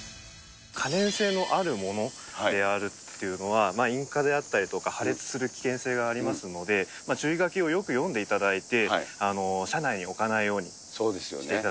可燃性のあるものっていうのは引火であったりとか、破裂する危険性がありますので、注意書きをよく読んでいただいて、車内に置かないようにしていただそうですよね。